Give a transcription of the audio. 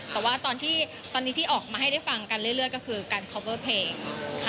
แต่ว่าตอนนี้ที่ออกมาให้ได้ฟังกันเรื่อยก็คือการคอปเวอร์เพลงค่ะ